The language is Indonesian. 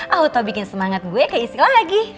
auto bikin semangat gue keisi lagi